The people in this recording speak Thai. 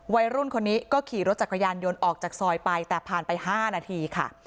วัยรุ่นคนนี้ก็ขี่รถจักรยานยนต์ออกจากซอยไปแต่ผ่านไป๕นาทีค่ะ